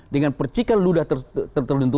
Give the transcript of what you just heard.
dengan percikan ludah tertentu